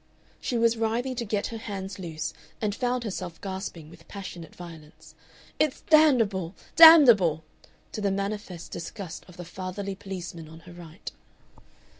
She was writhing to get her hands loose and found herself gasping with passionate violence, "It's damnable! damnable!" to the manifest disgust of the fatherly policeman on her right.